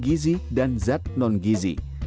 versionaly bernama uhkart jadi